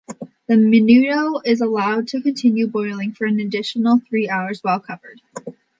The menudo is allowed to continue boiling for an additional three hours while covered.